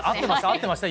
合ってました？